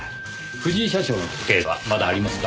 藤井社長の時計はまだありますか？